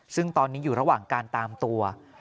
ซึ่งตอนนี้อยู่ระหว่างการตามตัว